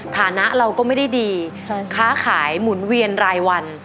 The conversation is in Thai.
ฐานะเราก็ไม่ได้ดีค้าขายหมุนเวียนรายวัน